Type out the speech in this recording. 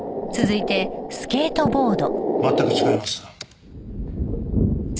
「」全く違います。